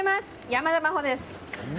山田真歩です。